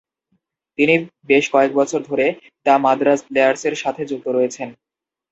তিনি বেশ কয়েক বছর ধরে "দ্য মাদ্রাজ প্লেয়ার্সের" সাথে সংযুক্ত রয়েছেন।